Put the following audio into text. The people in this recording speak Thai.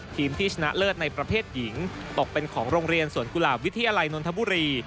ทีมที่ชนะเลิศในประเภทหญิงตกเป็นของโรงเรียนสวนกุหลาบวิทยาลัยนนทบุรี